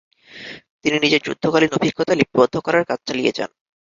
তিনি নিজের যুদ্ধকালীন অভিজ্ঞতা লিপিবদ্ধ করার কাজ চালিয়ে যান।